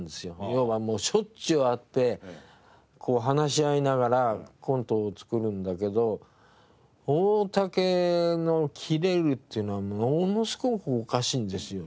要はしょっちゅう会って話し合いながらコントを作るんだけど大竹のキレるっていうのはものすごくおかしいんですよ